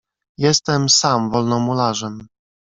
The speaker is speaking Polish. "Jestem sam Wolnomularzem."